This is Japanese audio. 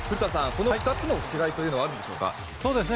この２つの違いというのはあるんでしょうか。